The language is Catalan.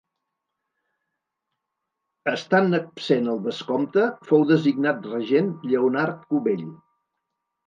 Estant absent el vescomte fou designat regent Lleonard Cubell.